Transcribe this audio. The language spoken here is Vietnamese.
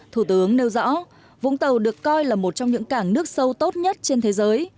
thủ tướng nêu rõ vũng tàu được coi là một trong những cảng nước sâu tốt nhất trên thế giới